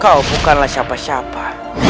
kau bukanlah siapa siapa